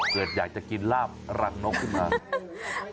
อยากจะกินลาบรังนกขึ้นมา